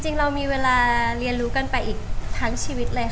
จริงเรามีเวลาเรียนรู้กันไปอีกทั้งชีวิตเลยค่ะ